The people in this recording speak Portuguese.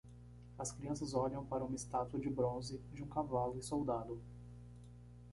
As crianças olham para uma estátua de bronze de um cavalo e soldado.